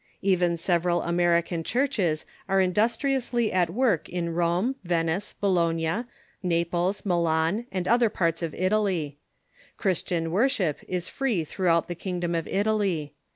Even several American churches are industriously at work in Rome, Venice, Italy and |5ologna, Naples, Milan, and other parts of Italy, Christian worship is free throughout the kingdom of It aly.